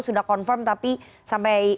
sudah confirm tapi sampai